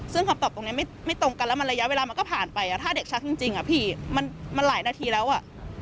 ซึ่งคำตอบตรงนี้ไม่ตรงกันแล้วมันระยะเวลามันก็ผ่านไปถ้าเด็กชักจริงอะพี่มันหลายนาทีแล้วอ่ะ